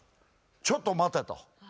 「ちょっと待て」と。